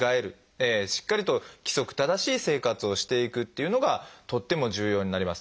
しっかりと規則正しい生活をしていくというのがとっても重要になります。